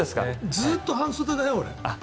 ずっと半袖だよ、俺。